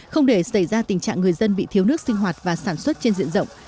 không để xảy ra tình trạng người dân bị thiếu nước sinh hoạt và sản xuất trên diện rộng